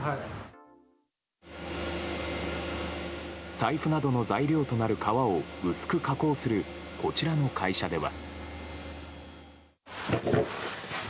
財布などの材料となる革を薄く加工するこちらの会社では。